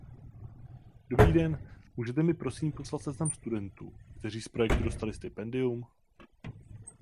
Dobrý den, můžete mi, prosím, poslat seznam studentů, kteří z projektu dostali stipendium?